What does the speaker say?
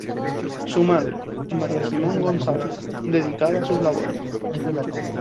Su madre: María Simón González, dedicada a sus labores.